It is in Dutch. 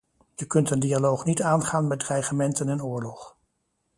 Je kunt een dialoog niet aangaan met dreigementen en oorlog.